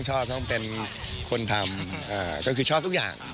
ชอบต้องเป็นคนทำก็คือชอบทุกอย่าง